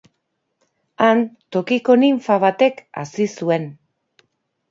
Han, tokiko ninfa batek hazi zuen.